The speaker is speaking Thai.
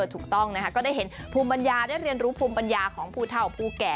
ถูกต้องนะคะก็ได้เห็นภูมิปัญญาได้เรียนรู้ภูมิปัญญาของผู้เท่าผู้แก่